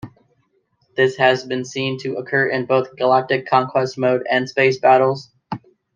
This has been seen to occur in both galactic conquest mode and space battles.